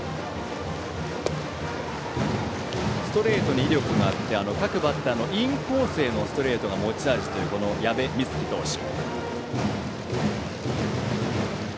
ストレートに威力があって各バッターのインコースへのストレートが持ち味だという矢部充稀投手。